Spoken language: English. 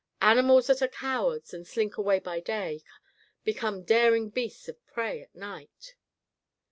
Animals that are cowards, and slink away by day, become daring beasts of prey at night."